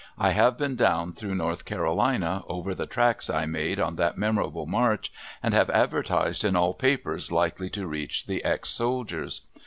I have been down through North Carolina, over the tracks I made on that memorable march, and have advertised in all papers likely to reach the ex soldiers.